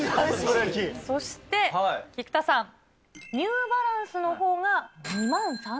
そして菊田さん、ニューバランスのほうが２万３０００円。